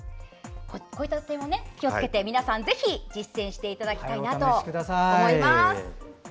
こういった点を気をつけて皆さんぜひ実践していただきたいと思います。